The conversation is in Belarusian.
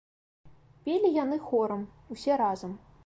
Пелі яны хорам, усе разам.